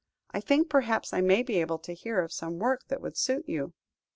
I think, perhaps, I may be able to hear of some work that would suit you."